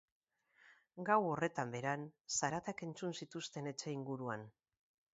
Gau horretan beran, zaratak entzun zituzten etxe inguruan.